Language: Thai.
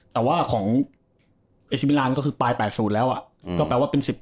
แต่ว่าของเอซิมิลานก็คือปลาย๘๐แล้วก็แปลว่าเป็น๑๐